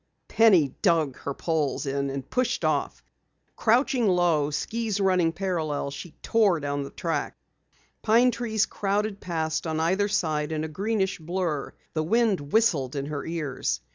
Penny dug in her poles and pushed off. Crouching low, skis running parallel, she tore down the track. Pine trees crowded past on either side in a greenish blur. The wind whistled in her ears.